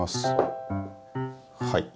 はい。